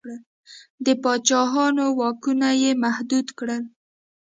د پاچاهانو واکونه یې محدود کړل.